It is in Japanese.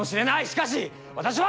しかし私は！